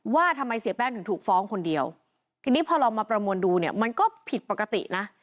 ว่าทำไมเสียแป้งถึงถูกฟ้องคนเดียวทีนี้พอลองมาประมวลดูเนี่ยมันก็ผิดปกตินะ